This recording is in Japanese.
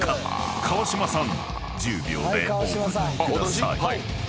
［川島さん１０秒でお答えください］何でしょうか？